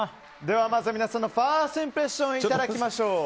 まず皆さんのファーストインプレッションいただきましょう。